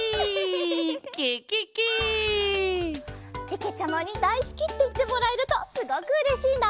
けけちゃまにだいすきっていってもらえるとすごくうれしいな。